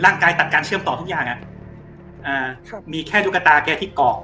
ร่างกายตัดการเชื่อมต่อทุกอย่างอ่ะมีแค่ธุกฏาแกที่กอก